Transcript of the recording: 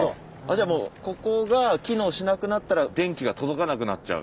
じゃあもうここが機能しなくなったら電気が届かなくなっちゃう？